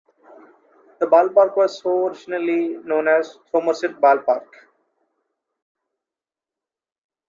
The ballpark was originally known as Somerset Ballpark.